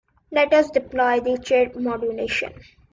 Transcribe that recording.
Let's deploy chirp modulation.